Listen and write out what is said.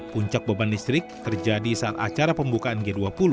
puncak beban listrik terjadi saat acara pembukaan g dua puluh